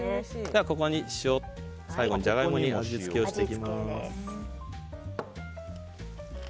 ここに塩で最後にジャガイモに味付けをしていきます。